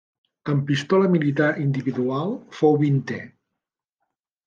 En pistola militar individual fou vintè.